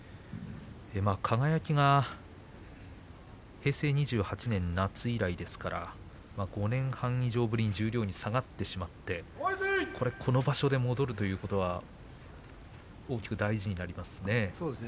輝が平成２８年夏以来ですから５年半以上ぶりに十両に下がってしまってこの場所で戻るということは大きく大事になりますね。